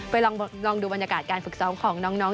ลองดูบรรยากาศการฝึกซ้อมของน้อง